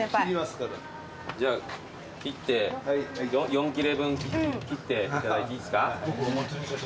４切れ分切っていただいていいですか？